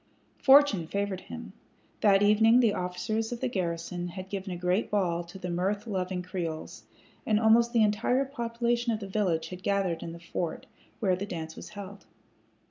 Fortune favored him. That evening the officers of the garrison had given a great ball to the mirth loving Creoles, and almost the entire population of the village had gathered in the fort, where the dance was held.